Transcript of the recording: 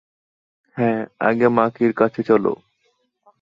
হ্যাঁ, আগে মাকির কাছে চলো।